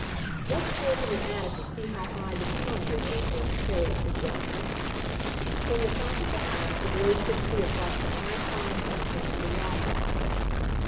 "Let's go up in the attic and see how high the pond is," Harry suggested. From the top of the house the boys could see across the high pond bank into the water.